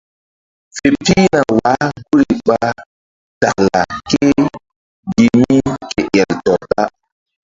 Fe pihna wah guri ɓa taklaa ke gi mí ke el tɔr da.